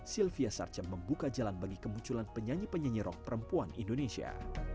sylvia sarce membuka jalan bagi kemunculan penyanyi penyanyi rock perempuan indonesia